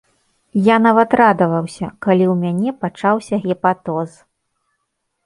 Я нават радаваўся, калі ў мяне пачаўся гепатоз.